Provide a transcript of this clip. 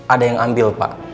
ada yang ambil pak